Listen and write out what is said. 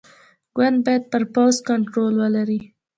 ګوند باید پر پوځ کنټرول ولري.